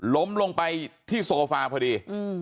ล้มลงไปที่โซฟาพอดี